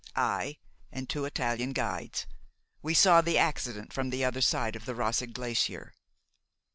"I, and two Italian guides. We saw the accident from the other side of the Roseg glacier."